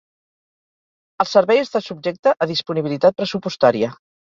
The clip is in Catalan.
El servei està subjecte a disponibilitat pressupostària.